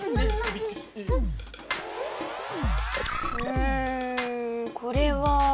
うんこれは。